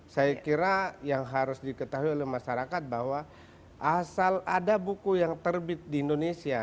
saya kira yang harus diketahui oleh masyarakat bahwa asal ada buku yang terbit di indonesia